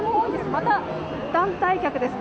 また、団体客です。